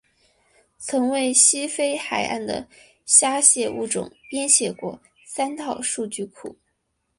曾为西非海岸的虾蟹物种编写过三套数据库。